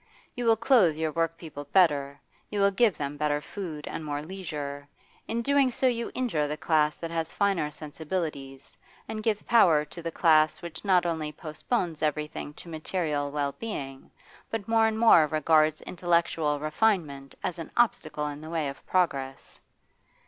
You will clothe your workpeople better, you will give them better food and more leisure; in doing so you injure the class that has finer sensibilities, and give power to the class which not only postpones everything to material well being, but more and more regards intellectual refinement as an obstacle in the way of progress.